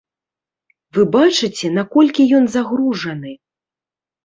Вы бачыце, наколькі ён загружаны.